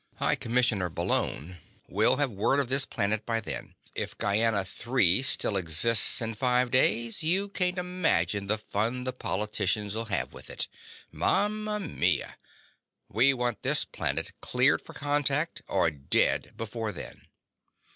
High Commissioner Bullone will have word of this planet by then. If Gienah III still exists in five days, can't you imagine the fun the politicians'll have with it? Mama mia! We want this planet cleared for contact or dead before then."